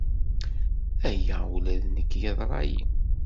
Aya ula d nekk yeḍra-iyi.